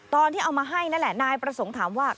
ตอนที่เอามาให้นั่นแหละนายประสงค์ถามว่า